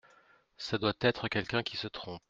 Ça doit être quelqu’un qui se trompe.